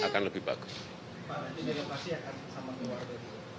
pak nanti jadi pasti akan sama keluarga juga